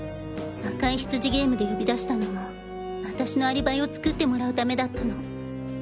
赤いヒツジゲームで呼び出したのもあたしのアリバイを作ってもらうためだったの。